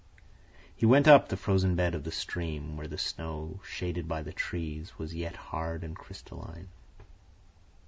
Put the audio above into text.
He went up the frozen bed of the stream, where the snow, shaded by the trees, was yet hard and crystalline.